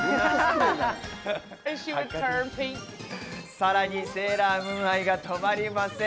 さらに『セーラームーン』愛が止まりません。